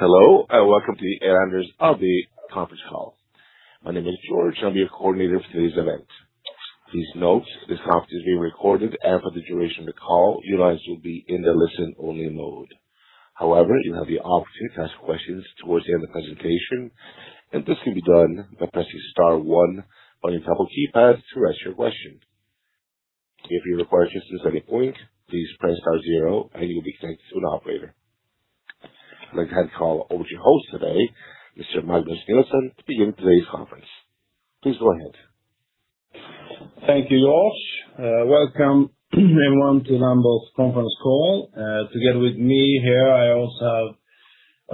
Hello, welcome to the Elanders AB conference call. My name is George, I'll be your coordinator for today's event. Please note, this conference is being recorded. For the duration of the call, your lines will be in the listen-only mode. However, you have the option to ask questions towards the end of presentation. This can be done by pressing star one on your telephone keypad to ask your question. If you require assistance at any point, please press star zero and you'll be connected to an operator. I'd like to hand the call over to your host today, Mr. Magnus Nilsson, to begin today's conference. Please go ahead. Thank you, George. Welcome everyone to the Elanders conference call. Together with me here, I also have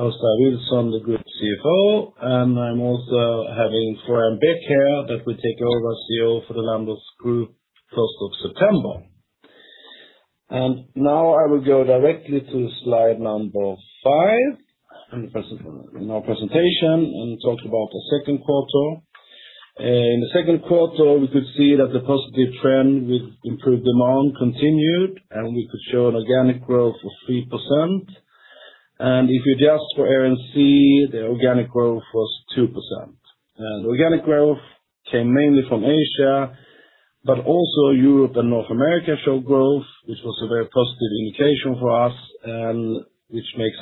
Åsa Vilsson, the Group CFO. I am also having Florian Beck here, that will take over as CEO for the Elanders Group, 1st of September. Now I will go directly to slide number five in our presentation and talk about the second quarter. In the second quarter, we could see that the positive trend with improved demand continued. We could show an organic growth of 3%. If you adjust for FX, the organic growth was 2%. Organic growth came mainly from Asia, but also Europe and North America showed growth, which was a very positive indication for us, and which makes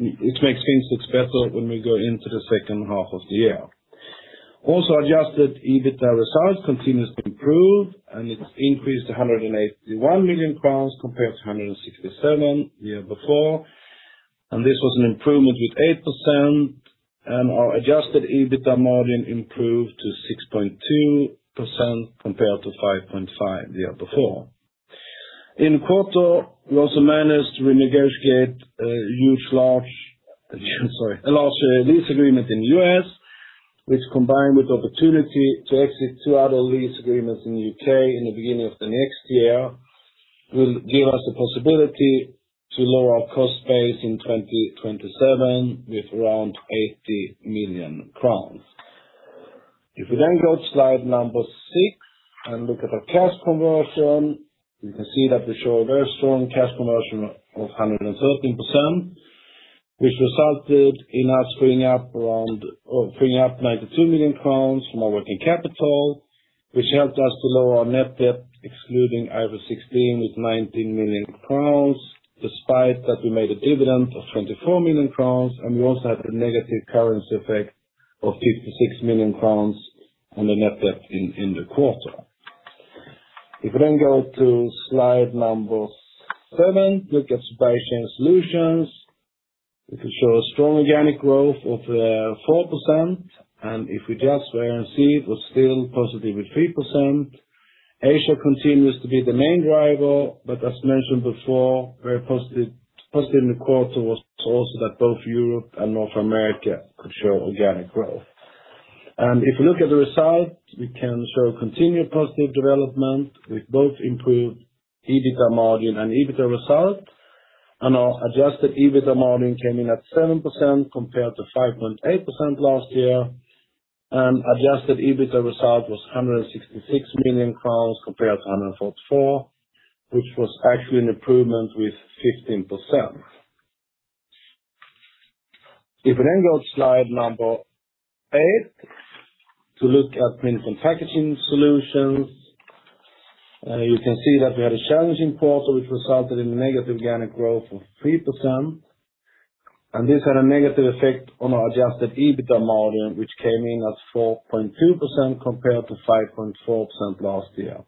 things look better when we go into the second half of the year. Also adjusted, EBITA results continues to improve. It's increased to 181 million crowns compared to 167 the year before. This was an improvement with 8%, and our adjusted EBITA margin improved to 6.2% compared to 5.5% the year before. In the quarter, we also managed to renegotiate a large lease agreement in the U.S., which combined with the opportunity to exit two other lease agreements in the U.K. in the beginning of the next year, will give us the possibility to lower our cost base in 2027 with around 80 million crowns. If we go to slide number six and look at our cash conversion, we can see that we show a very strong cash conversion of 113%, which resulted in us freeing up 92 million crowns from our working capital, which helped us to lower our net debt, excluding IFRS 16 with 19 million crowns, despite that we made a dividend of 24 million crowns. We also had a negative currency effect of 56 million crowns on the net debt in the quarter. If we go to slide number seven, look at Supply Chain Solutions, we can show a strong organic growth of 4%. If we adjust for FX, it was still positive with 3%. Asia continues to be the main driver, but as mentioned before, very positive in the quarter was also that both Europe and North America could show organic growth. If you look at the results, we can show continued positive development with both improved EBITA margin and EBITA results. Our adjusted EBITA margin came in at 7% compared to 5.8% last year. Adjusted EBITA result was 166 million crowns compared to 144, which was actually an improvement with 15%. If we then go to slide number eight to look at Print & Packaging Solutions, you can see that we had a challenging quarter, which resulted in a negative organic growth of 3%. This had a negative effect on our adjusted EBITA margin, which came in at 4.2% compared to 5.4% last year.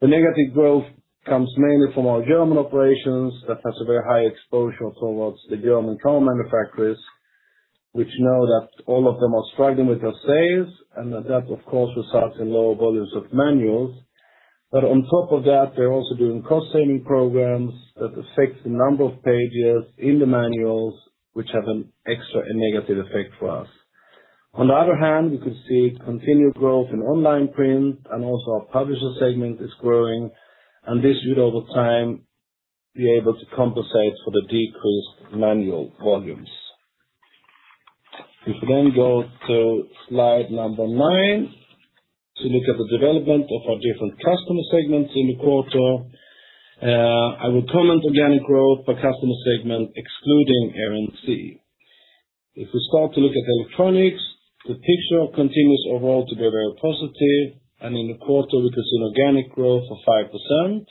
The negative growth comes mainly from our German operations, that has a very high exposure towards the German car manufacturers, which now that all of them are struggling with their sales and that of course, results in lower volumes of manuals. On top of that, they're also doing cost-saving programs that affect the number of pages in the manuals, which have an extra negative effect for us. On the other hand, we could see continued growth in online print and also our publisher segment is growing. This should, over time, be able to compensate for the decreased manual volumes. If we then go to slide number nine to look at the development of our different customer segments in the quarter, I will comment organic growth by customer segment excluding FX. If we start to look at electronics, the picture continues overall to be very positive, and in the quarter, we could see an organic growth of 5%.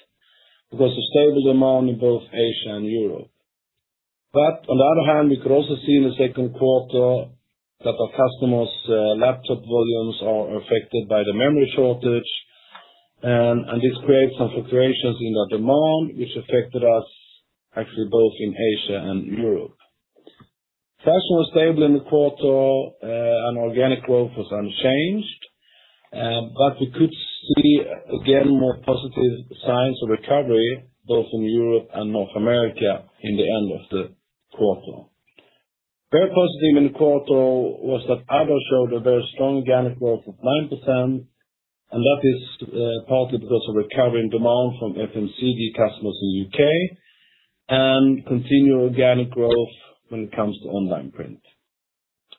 We've got a stable demand in both Asia and Europe. On the other hand, we could also see in the second quarter that our customers' laptop volumes are affected by the memory shortage. This creates some fluctuations in the demand which affected us actually both in Asia and Europe. Fashion was stable in the quarter, and organic growth was unchanged. We could see again more positive signs of recovery both in Europe and North America in the end of the quarter. Very positive in the quarter was that others showed a very strong organic growth of 9%, and that is partly because of recovering demand from FMCG customers in the U.K. and continued organic growth when it comes to online print.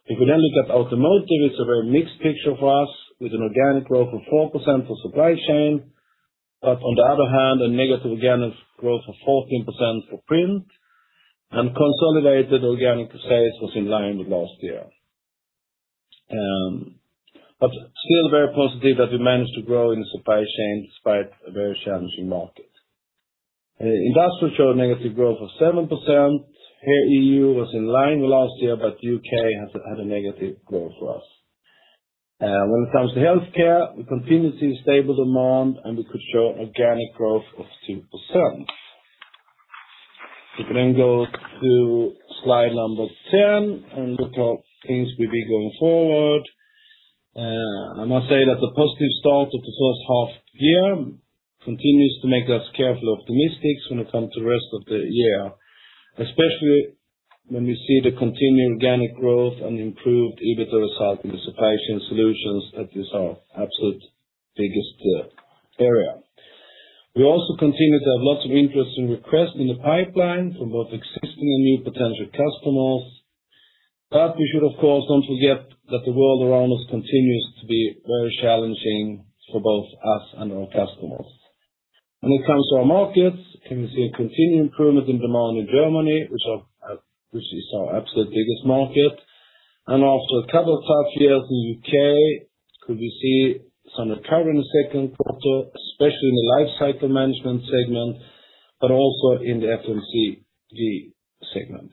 If we then look at automotive, it's a very mixed picture for us, with an organic growth of 4% for Supply Chain. On the other hand, a negative organic growth of 14% for print, and consolidated organic sales was in line with last year. Still very positive that we managed to grow in the Supply Chain despite a very challenging market. Industrial showed a negative growth of 7%. Here, EU was in line with last year, but U.K. had a negative growth for us. When it comes to healthcare, we continue to see stable demand, and we could show organic growth of 2%. We can then go to slide number 10 and look at things will be going forward. I must say that the positive start of the first half year continues to make us careful optimistics when it comes to rest of the year, especially when we see the continued organic growth and improved EBITA results in the Supply Chain Solutions that is our absolute biggest area. We also continue to have lots of interest and requests in the pipeline from both existing and new potential customers. We should, of course, don't forget that the world around us continues to be very challenging for both us and our customers. When it comes to our markets, can we see a continued improvement in demand in Germany, which is our absolute biggest market. After a tough year in the U.K., could we see some recovery in the second quarter, especially in the lifecycle management segment, but also in the FMCG segment.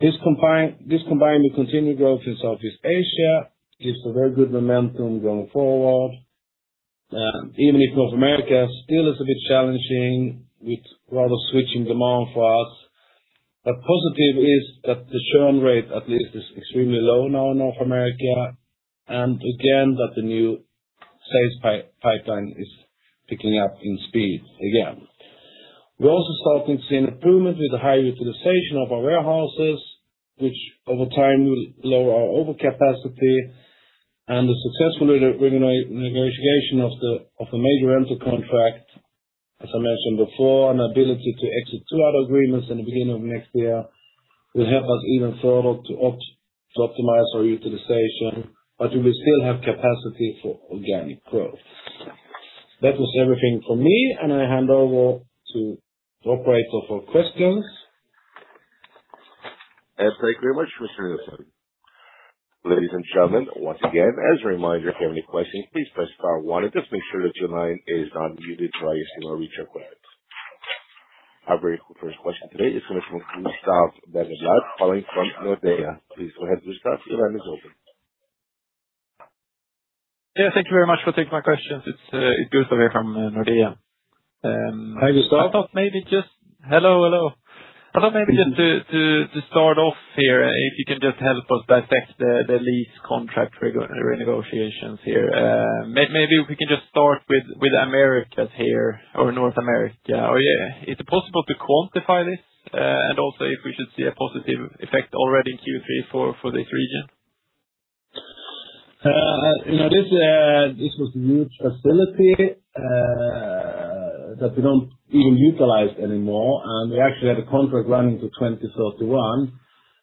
This combined with continued growth in Southeast Asia, gives a very good momentum going forward. Even if North America still is a bit challenging with rather switching demand for us. Positive is that the churn rate at least is extremely low now in North America, and again, that the new sales pipeline is picking up in speed again. We're also starting to see an improvement with the high utilization of our warehouses, which over time will lower our overcapacity and the successful renegotiation of a major rental contract, as I mentioned before, an ability to exit two other agreements in the beginning of next year, will help us even further to optimize our utilization. We will still have capacity for organic growth. That was everything from me, and I hand over to the operator for questions. Yes, thank you very much, Mr. Nilsson. Ladies and gentlemen, once again, as a reminder, if you have any questions, please press star one and just make sure that your line is unmuted prior to your question or query. Our very first question today is going to be from Gustav Berneblad following from Nordea. Please go ahead, Gustav, your line is open. Yeah, thank you very much for taking my questions. It's Gustav from Nordea. Hi, Gustav. Hello. I thought maybe just to start off here, if you can just help us dissect the lease contract renegotiations here. Maybe we can just start with Americas here or North America. Is it possible to quantify this? Also if we should see a positive effect already in Q3 for this region? This was a huge facility that we don't even utilize anymore. We actually had a contract running to 2031.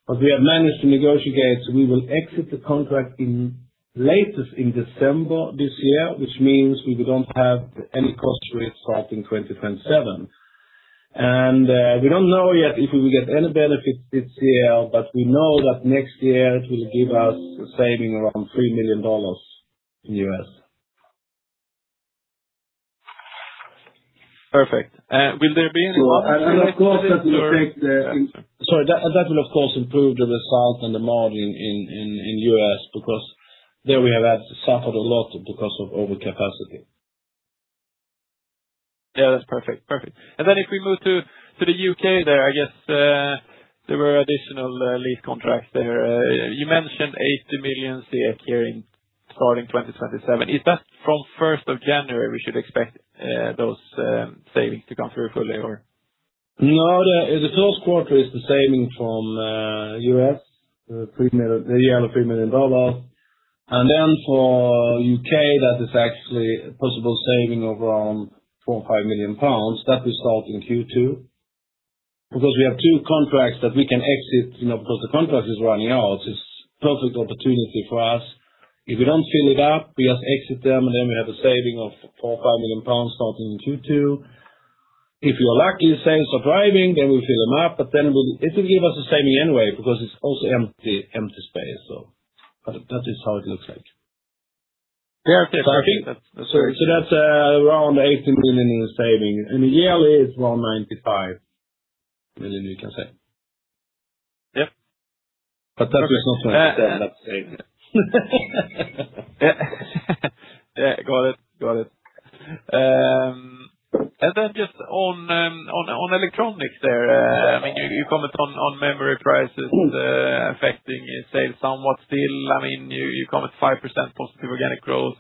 We have managed to negotiate, we will exit the contract latest in December this year, which means we don't have any costs with it starting 2027. We don't know yet if we will get any benefits this year, we know that next year it will give us a saving around $3 million in U.S. Perfect. Will there be any. Of course, that will, of course, improve the results and the margin in U.S. because there we have suffered a lot because of overcapacity. Yeah, that's perfect. Then if we move to the U.K. there, I guess, there were additional lease contracts there. You mentioned 80 million starting 2027. Is that from 1st of January, we should expect those savings to come through fully or? No. The first quarter is the saving from U.S., the yearly $3 million. Then for U.K., that is actually a possible saving of around 4 million or 5 million pounds. That will start in Q2. We have two contracts that we can exit, because the contract is running out, it's perfect opportunity for us. If we don't fill it up, we just exit them, then we have a saving of 4 million or 5 million pounds starting in Q2. If we are lucky, sales are driving, then we fill them up, but then it will give us a saving anyway because it's also empty space. That is how it looks like. Yeah. Okay. Sorry. That's around 18 million in savings, and yearly is around 95 million, you can say. Yep. That is not what I said, that saving. Yeah. Got it. Then just on electronics there, you comment on memory prices affecting your sales somewhat still. You comment 5% positive organic growth.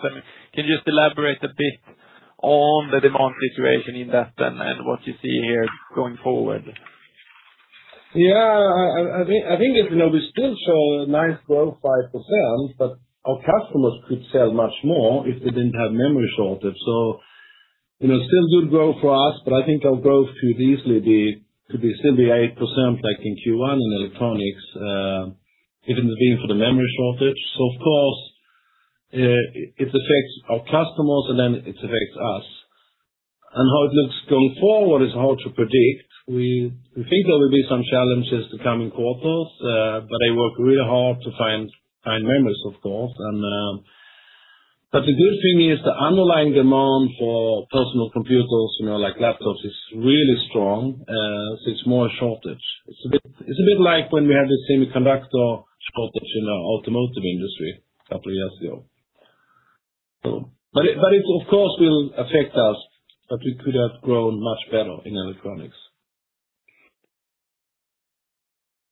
Can you just elaborate a bit on the demand situation in that then and what you see here going forward? Yeah. I think we still show a nice growth, 5%, but our customers could sell much more if they didn't have memory shortage. Still good growth for us, but I think our growth could easily be simply 8% like in Q1 in electronics, if it hadn't been for the memory shortage. Of course, it affects our customers and then it affects us. How it looks going forward is hard to predict. We think there will be some challenges to come in quarters, but they work really hard to find memories, of course. The good thing is the underlying demand for personal computers, like laptops, is really strong. It's more a shortage. It's a bit like when we had the semiconductor shortage in the automotive industry a couple of years ago. It, of course, will affect us, but we could have grown much better in electronics.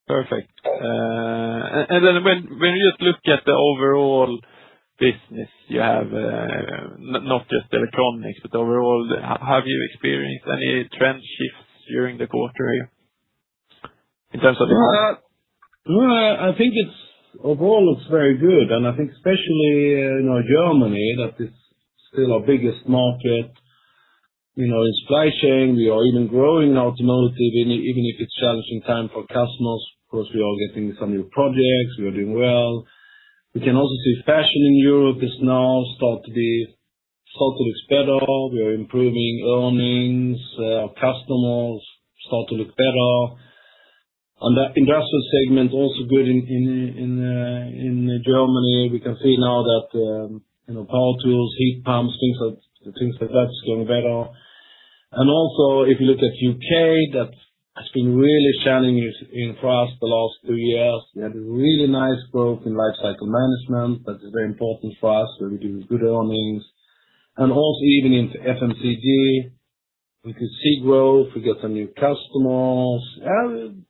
Perfect. When you just look at the overall business you have, not just electronics, but overall, have you experienced any trend shifts during the quarter here in terms of business? No, I think overall it's very good. I think especially in our Germany, that is still our biggest market, is flourishing. We are even growing automotive, even if it's challenging time for customers. Of course, we are getting some new projects. We are doing well. We can also see fashion in Europe is now start to look better. We are improving earnings. Our customers start to look better. On the industrial segment, also good in Germany. We can see now that power tools, heat pumps, things like that is going better. If you look at U.K., that has been really challenging for us the last two years. We had a really nice growth in lifecycle management. That is very important for us, where we're doing good earnings. Even into FMCG, we could see growth. We got some new customers.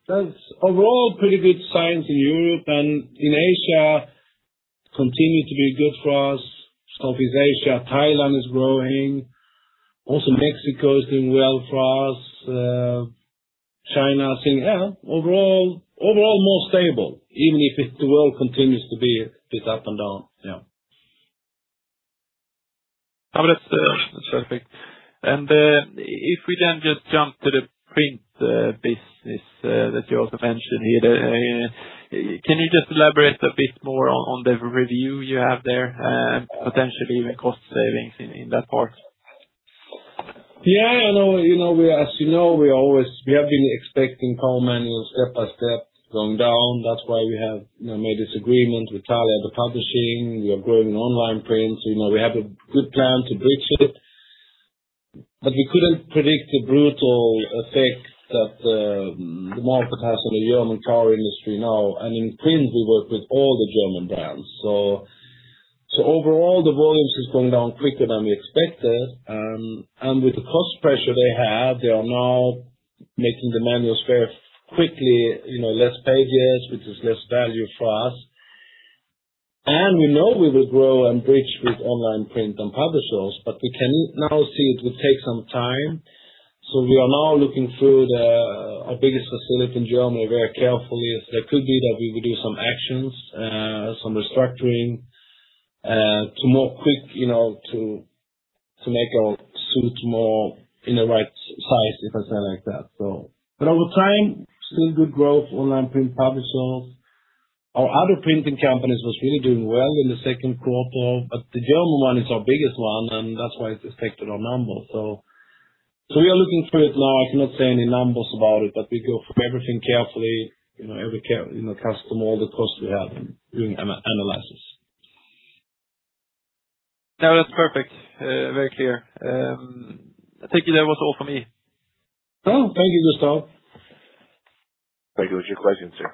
That's overall pretty good signs in Europe. In Asia, continue to be good for us. Southeast Asia, Thailand is growing. Also Mexico is doing well for us. China overall more stable, even if the world continues to be a bit up and down. That's perfect. If we just jump to the print business that you also mentioned here. Can you just elaborate a bit more on the review you have there, and potentially even cost savings in that part? Yeah. As you know, we have been expecting car manuals step by step going down. That's why we have made this agreement with Thalia, the publishing. We are growing online prints. We have a good plan to bridge it. We couldn't predict the brutal effect that the market has on the German car industry now. In print, we work with all the German brands. Overall, the volumes is going down quicker than we expected. With the cost pressure they have, they are now making the manuals very quickly, less pages, which is less value for us. We know we will grow and bridge with online print and publishers, but we can now see it will take some time. We are now looking through our biggest facility in Germany very carefully, as there could be that we will do some actions, some restructuring, to more quick to make our suits more in the right size, if I say it like that. Over time, still good growth, online print publishers. Our other printing companies was really doing well in the second quarter, the German one is our biggest one, that's why it affected our numbers. We are looking through it now. I cannot say any numbers about it, we go from everything carefully, every customer, all the costs we have, doing analysis. No, that's perfect. Very clear. I think that was all for me. Thank you, Gustav. Thank you for your question, sir.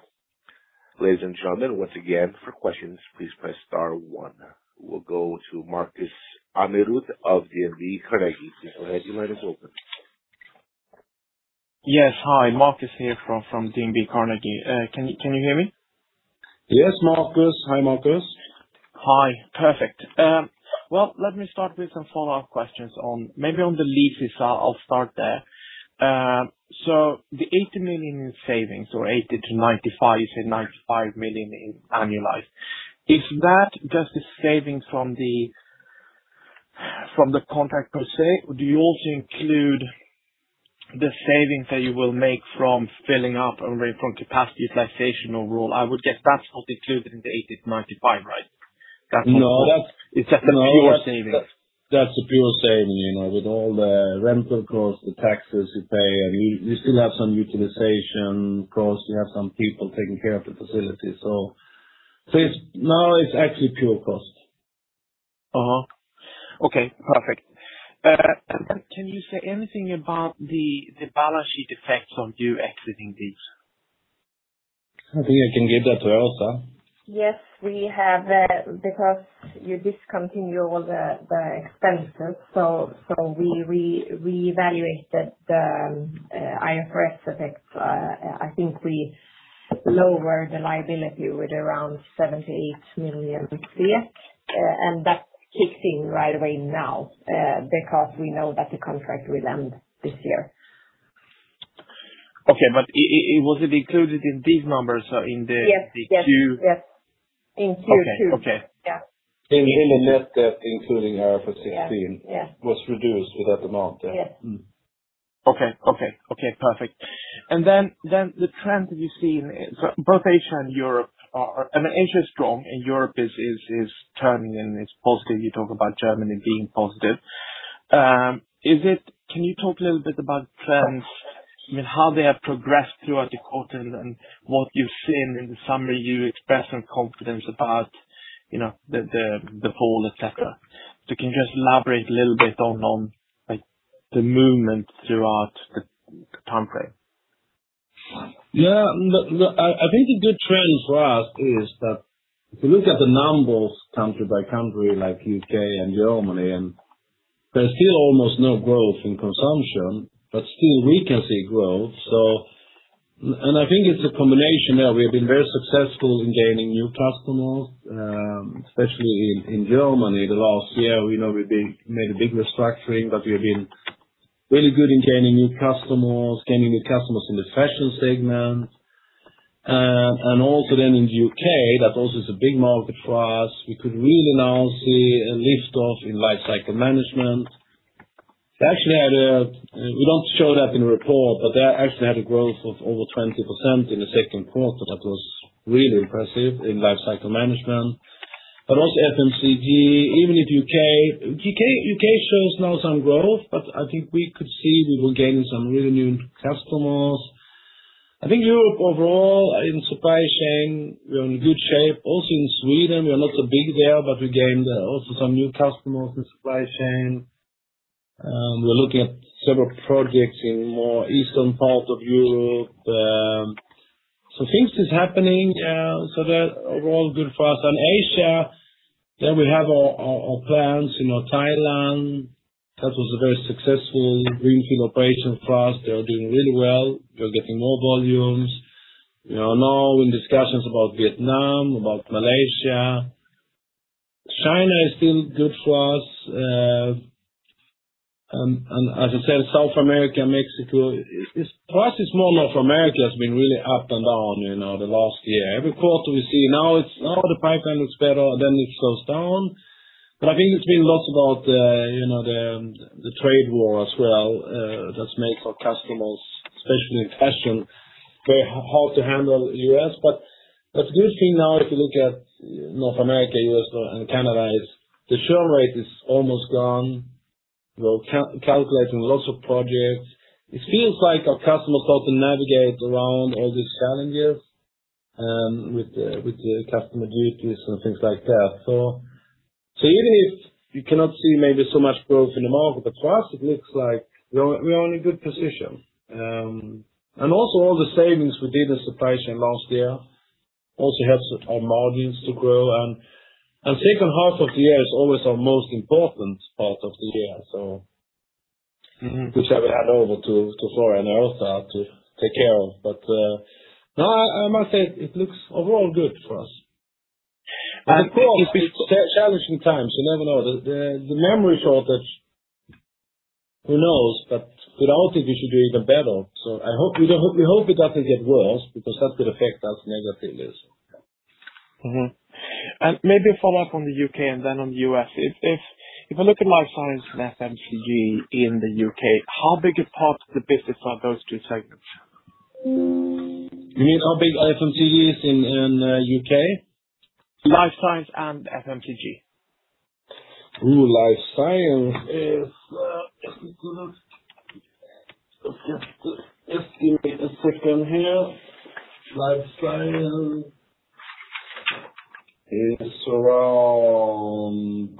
Ladies and gentlemen, once again, for questions, please press star one. We'll go to Markus Almerud of DNB Carnegie. Please go ahead, your line is open. Yes. Hi. Markus here from DNB Carnegie. Can you hear me? Yes, Markus. Hi, Markus. Hi. Perfect. Well, let me start with some follow-up questions on, maybe on the leases, I'll start there. The 80 million in savings or 80 million-95 million, you said 95 million in annualized. Is that just the savings from the contract per se? Or do you also include the savings that you will make from filling up and from capacity utilization overall? I would guess that's not included in the 80 million-95 million, right? No. It's just the pure savings. That's a pure saving. With all the rental costs, the taxes you pay, and we still have some utilization costs. We have some people taking care of the facility. No, it's actually pure cost. Okay, perfect. Can you say anything about the balance sheet effects on you exiting these? I think I can give that to you, Åsa. Yes. You discontinue all the expenses, we reevaluated the IFRS effects. I think we lowered the liability with around 78 million, that kicks in right away now, because we know that the contract will end this year. Okay. Was it included in these numbers? Yes Q2? Yes. In Q2. Okay. Yeah. In the net debt, including IFRS 16 Yeah Was reduced with that amount, yeah. Yeah. Okay. Perfect. The trends we've seen, both Asia and Europe are I mean, Asia is strong, and Europe is turning and it's positive. You talk about Germany being positive. Can you talk a little bit about trends, how they have progressed throughout the quarter and what you've seen? In the summary, you expressed some confidence about the whole et cetera. Can you just elaborate a little bit on the movement throughout the timeframe? Yeah. I think the good trend for us is that if you look at the numbers country by country, like U.K. and Germany, there's still almost no growth in consumption, but still we can see growth. I think it's a combination there. We have been very successful in gaining new customers, especially in Germany. The last year, we've made a big restructuring, but we have been really good in gaining new customers in the fashion segment. In the U.K., that also is a big market for us. We could really now see a lift-off in lifecycle management. It would not show that in the report, but they actually had a growth of over 20% in the second quarter. That was really impressive in lifecycle management. Also FMCG, even if U.K. shows now some growth, I think we could see we were gaining some really new customers. I think Europe overall in Supply Chain, we are in good shape. Also in Sweden, we are not so big there, we gained also some new customers in Supply Chain. We're looking at several projects in more eastern part of Europe. Things are happening, that overall good for us. Asia, there we have our plans. Thailand, that was a very successful greenfield operation for us. They are doing really well. We are getting more volumes. We are now in discussions about Vietnam, about Malaysia. China is still good for us. As I said, South America, Mexico. For us, it's more North America has been really up and down the last year. Every quarter we see now the pipeline looks better, then it slows down. I think it's been lots about the trade war as well that's made for customers, especially in fashion, very hard to handle U.S. The good thing now if you look at North America, U.S. and Canada, is the churn rate is almost gone. We're calculating lots of projects. It feels like our customers start to navigate around all these challenges with the customer duties and things like that. Even if you cannot see maybe so much growth in the market, for us, it looks like we are in a good position. Also all the savings we did in Supply Chain last year also helps our margins to grow. Second half of the year is always our most important part of the year. Which I will hand over to Florian also to take care of. No, I must say it looks overall good for us. It's challenging times. You never know. The memory shortage, who knows? With all things, we should do even better. We hope it doesn't get worse because that could affect us negatively. Maybe a follow-up on the U.K. and then on the U.S. If I look at life science and FMCG in the U.K., how big a part of the business are those two segments? You mean how big FMCG is in U.K.? Life science and FMCG. Life science is Just give me a second here. Life science is around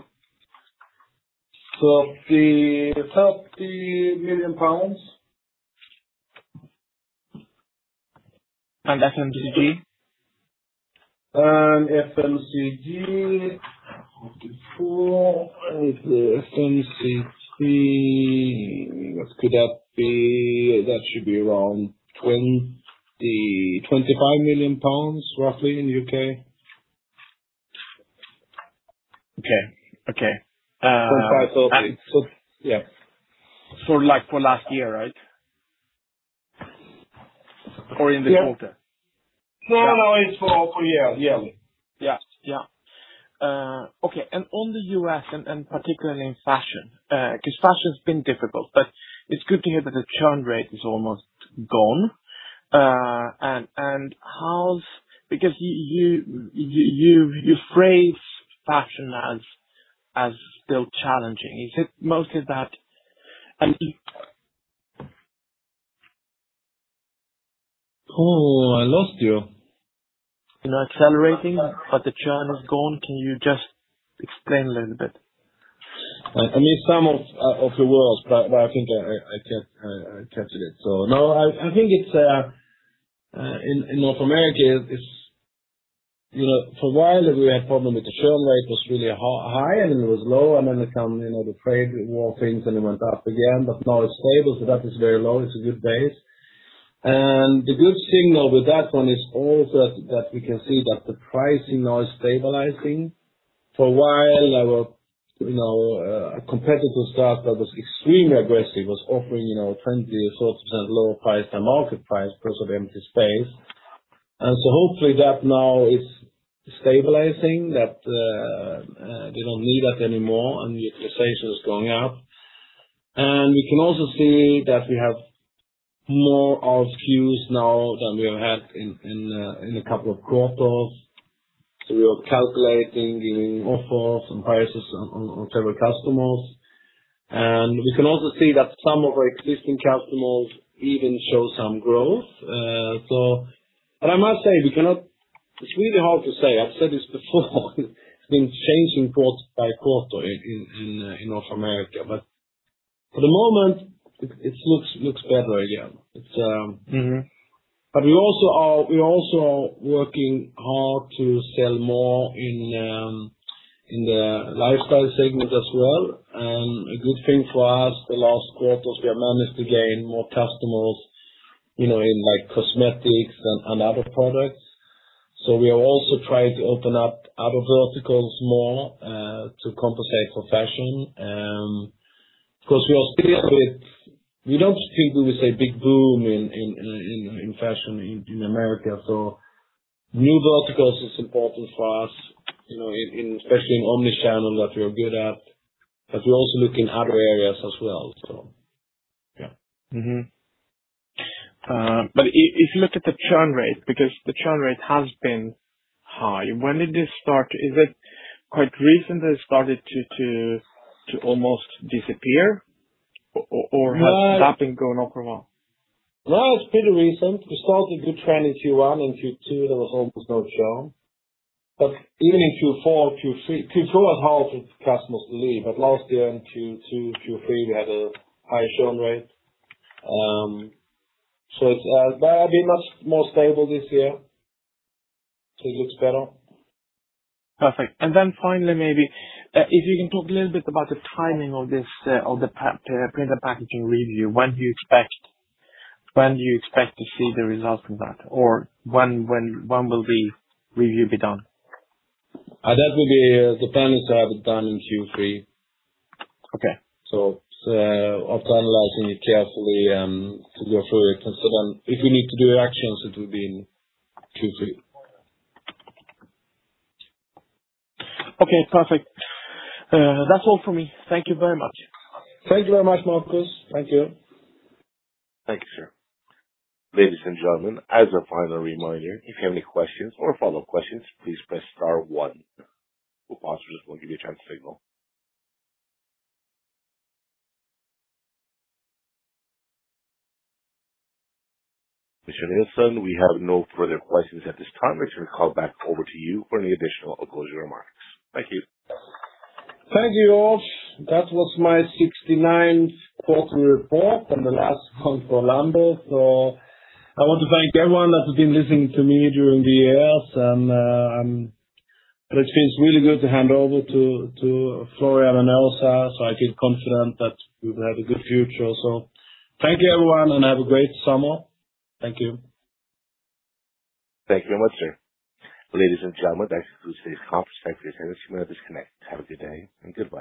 GBP 30 million. FMCG? FMCG, 44. FMCG, what could that be? That should be around 25 million, roughly, in the U.K. Okay. GBP 25 million, GBP 30 million. Yeah. For last year, right? Or in the quarter? No. It's for yearly. Yeah. Okay. On the U.S., and particularly in fashion, because fashion's been difficult, but it's good to hear that the churn rate is almost gone. You phrase fashion as still challenging. Is it mostly that Oh, I lost you. Accelerating, the churn was gone. Can you just explain a little bit? I missed some of the words, I think I captured it. No, I think in North America, for a while, we had problem with the churn rate was really high, then it was low, the trade war things, it went up again. Now it's stable, so that is very low. It's a good base. The good signal with that one is also that we can see that the pricing now is stabilizing. For a while, there was a competitor that was extremely aggressive. It was offering 20% or 30% lower price than market price because of empty space. Hopefully that now is stabilizing, that they don't need that anymore, utilization is going up. We can also see that we have more SKUs now than we have had in a couple of quarters. We are calculating the offers and prices on several customers. We can also see that some of our existing customers even show some growth. I must say, it's really hard to say. I've said this before, it's been changing quarter-by-quarter in North America. For the moment, it looks better again. We also are working hard to sell more in the lifestyle segment as well. A good thing for us the last quarters, we have managed to gain more customers in cosmetics and other products. We are also trying to open up other verticals more to compensate for fashion. We don't think there is a big boom in fashion in America, new verticals is important for us, especially in omni-channel that we are good at. We're also looking at other areas as well. Yeah. If you look at the churn rate, because the churn rate has been high, when did this start? Is it quite recent that it started to almost disappear? Has that been going on for a while? No, it's pretty recent. We saw the good trend in Q1, in Q2 there was almost no churn. Even in Q4, Q3, Q4 was hard for customers to leave. Last year in Q2, Q3, we had a high churn rate. It's been much more stable this year. It looks better. Perfect. Then finally, maybe, if you can talk a little bit about the timing of the print and packaging review. When do you expect to see the results of that? When will the review be done? The plan is to have it done in Q3. Okay. After analyzing it carefully to go through it, and so then if we need to do actions, it will be in Q3. Okay, perfect. That's all from me. Thank you very much. Thank you very much, Markus. Thank you. Thank you, sir. Ladies and gentlemen, as a final reminder, if you have any questions or follow-up questions, please press star one. We'll pause for just one, give you a chance to signal. Mr. Nilsson, we have no further questions at this time. We shall call back over to you for any additional or closing remarks. Thank you. Thank you, all. That was my 69th quarter report and the last one for Elanders. I want to thank everyone that has been listening to me during the years, and it feels really good to hand over to Florian and Åsa, so I feel confident that we will have a good future. Thank you, everyone, and have a great summer. Thank you. Thank you very much, sir. Ladies and gentlemen, that concludes today's conference. Thank you. You may disconnect. Have a good day and goodbye.